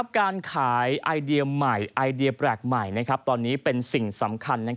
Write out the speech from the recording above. การขายไอเดียใหม่ไอเดียแปลกใหม่ตอนนี้เป็นสิ่งสำคัญ